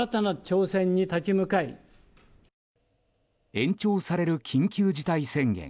延長される緊急事態宣言。